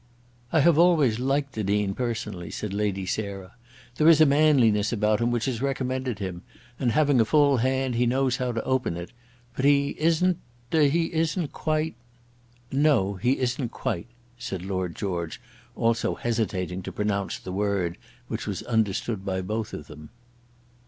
"I have always liked the Dean personally," said Lady Sarah. "There is a manliness about him which has recommended him, and having a full hand he knows how to open it. But he isn't ; he isn't quite " "No; he isn't quite ," said Lord George, also hesitating to pronounce the word which was understood by both of them.